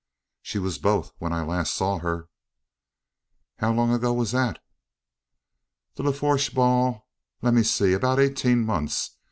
"She was both, when I last saw her." "How long ago was that?" "The Lafourche ball? Let me see about eighteen months.